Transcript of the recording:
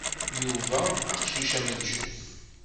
Yuba aqcic amencuf.